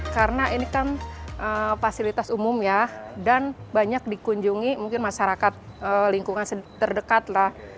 karena ini kan fasilitas umum ya dan banyak dikunjungi mungkin masyarakat lingkungan terdekat lah